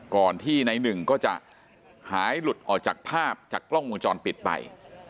ก่อนที่ในหนึ่งก็จะหายหลุดออกจากภาพจากกล้องวงจรปิดไป